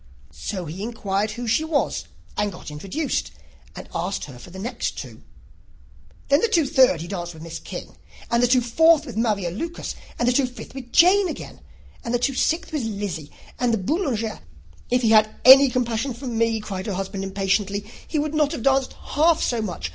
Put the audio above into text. So he inquired who she was, and got introduced, and asked her for the two next. Then, the two third he danced with Miss King, and the two fourth with Maria Lucas, and the two fifth with Jane again, and the two sixth with Lizzy, and the Boulanger " "If he had had any compassion for me," cried her husband impatiently, "he would not have danced half so much!